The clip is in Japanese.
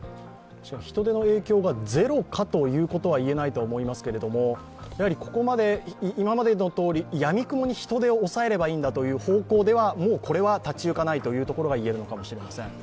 人出の影響がゼロかということは言えないと思いますけれども、今までのとおり、やみくもに人出を抑えればいいんだとはもうこれは立ち行かないというところが言えるのかもしれません。